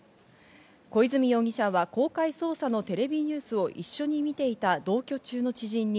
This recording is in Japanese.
小泉容疑者は公開捜査のテレビニュースを一緒に見ていた同居中の知人に